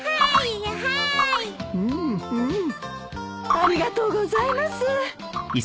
ありがとうございます。